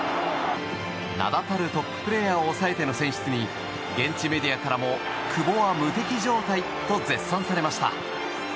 名だたるトッププレーヤーを抑えての選出に現地メディアからもクボは無敵状態と絶賛されました。